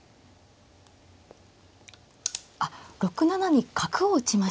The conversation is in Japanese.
あっ６七に角を打ちました。